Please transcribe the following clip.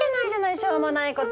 しょうもないこと。